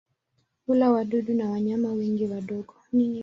Hula wadudu na wanyama wengine wadogo.